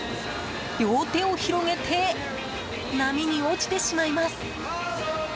両手を広げて波に落ちてしまいます。